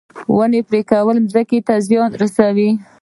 د ونو پرې کول ځمکې ته زیان رسوي